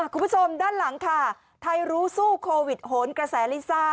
คุณผู้ชมด้านหลังค่ะไทยรู้สู้โควิดโหนกระแสลิซ่า